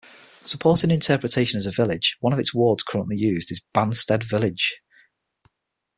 Supporting interpretation as a village, one of its wards currently used is "Banstead Village".